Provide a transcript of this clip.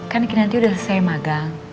kan kinanti udah selesai magang